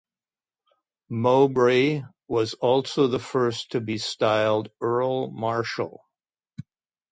Mowbray was also the first to be styled Earl Marshal.